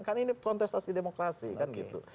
kan ini kontestasi demokrasi kan gitu